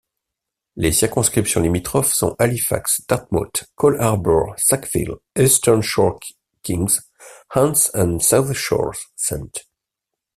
Les circonscriptions limitrophes sont Halifax, Dartmouth—Cole Harbour, Sackville—Eastern Shore, Kings—Hants et South Shore—St.